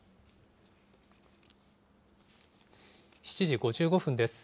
７時５５分です。